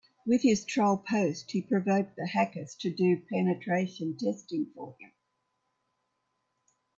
With his troll post he provoked the hackers to do penetration testing for him.